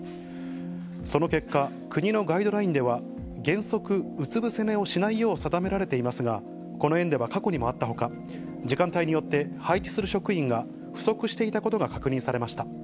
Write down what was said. その結果、国のガイドラインでは、原則、うつぶせ寝をしないよう定められていますが、この園では過去にもあったほか、時間帯によって配置する職員が不足していたことが確認されました。